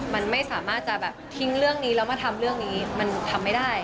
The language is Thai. มันไม่สามารถจะแบบทิ้งเรื่องนี้แล้วมาทำเรื่องนี้มันทำไม่ได้